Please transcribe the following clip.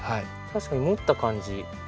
確かに持った感じ。